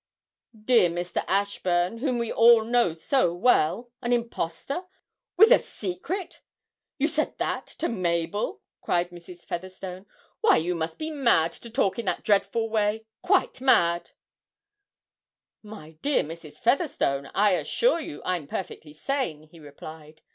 'Dear Mr. Ashburn, whom we all know so well, an impostor with a secret! You said that to Mabel?' cried Mrs. Featherstone. 'Why, you must be mad to talk in that dreadful way quite mad!' 'My dear Mrs. Featherstone, I assure you I'm perfectly sane,' he replied.